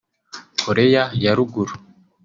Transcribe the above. Koreya ya ruguru